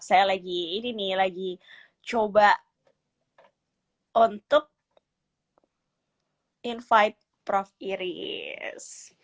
saya lagi coba untuk invite prof iris